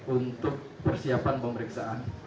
untuk persiapan pemeriksaan